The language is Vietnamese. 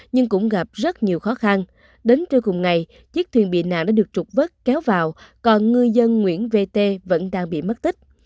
nhưng cũng gặp rất nhiều khó khăn đến trưa cùng ngày chiếc thuyền bị nạn đã được trục vớt kéo vào còn ngư dân nguyễn vt vẫn đang bị mất tích